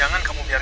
baik tych puyak